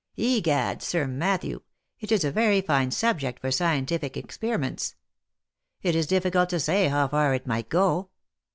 Egad, Sir Matthew, it is a very fine subject for scientific experiments. It is difficult to say how far it might go.